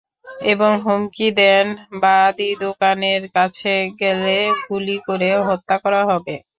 এবং হুমকি দেন বাদী দোকানের কাছে গেলে গুলি করে হত্যা করা হবে।